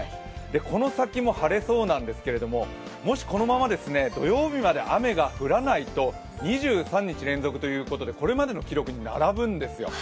この先も晴れそうなんですけれども、もしこのまま土曜日まで雨が降らないと２３日連続ということでこれまでの記録に並ぶんですよ。